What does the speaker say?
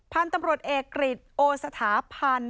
พันธุ์ตำรวจเอกกฤษโอสถาพันธ์